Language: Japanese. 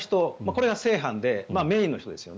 これが正犯でメインの人です。